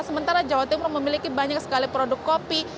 sementara jawa timur memiliki banyak sekali produk kopi